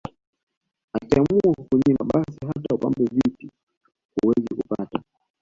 Akiamua kukunyima basi hata upambane vipi huwezi kupata